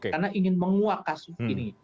karena ingin menguak kasus ini